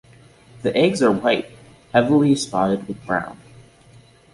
The eggs are white heavily spotted with brown.